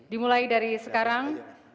dimulai dari sekarang